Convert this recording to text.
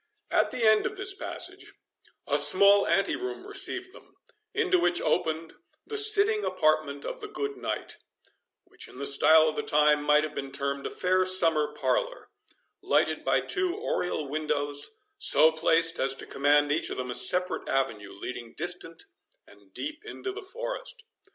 At the end of this passage, a small ante room received them, into which opened the sitting apartment of the good knight—which, in the style of the time, might have been termed a fair summer parlour—lighted by two oriel windows, so placed as to command each of them a separate avenue, leading distant and deep into the forest.